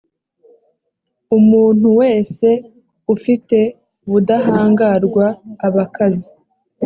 umuntu wese ufite ubudahangarwa abakaze